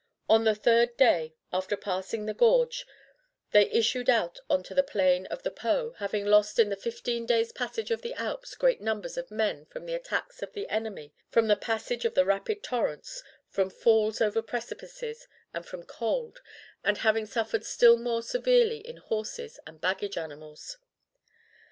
On the third day after passing the gorge they issued out on to the plain of the Po, having lost in the fifteen days' passage of the Alps great numbers of men from the attacks of the enemy, from the passage of the rapid torrents, from falls over the precipices, and from cold, and having suffered still more severely in horses and baggage animals.